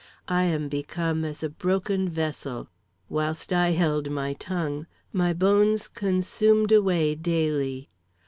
I am become as a broken vessel.' "Whilst I held my tongue, my bones consumed away daily.